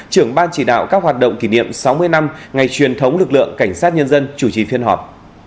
trưởng ban chỉ đạo các hoạt động kỷ niệm sáu mươi năm ngày truyền thống lực lượng cảnh sát nhân dân chủ trì phiên họp